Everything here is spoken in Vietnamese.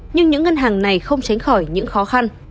nhưng những ngân hàng này không tránh khỏi những khó khăn